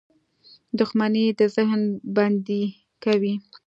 • دښمني د ذهن بندي کوي.